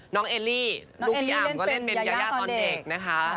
เอลลี่ลูกพี่อ่ำก็เล่นเป็นยายาตอนเด็กนะคะ